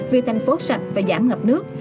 vì thành phố sạch và giảm ngập nước